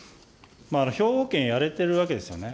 兵庫県、やれているわけですよね。